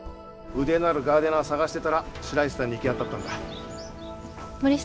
腕のあるガーデナー探してたら白石さんに行き当たったんだ。